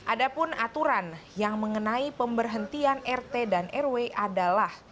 ada pun aturan yang mengenai pemberhentian rt dan rw adalah